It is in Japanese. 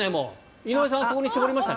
井上さんはここに絞りましたね。